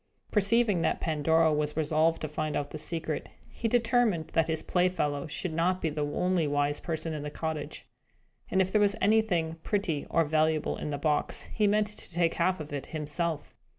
Perceiving that Pandora was resolved to find out the secret, he determined that his playfellow should not be the only wise person in the cottage. And if there were anything pretty or valuable in the box, he meant to take half of it to himself.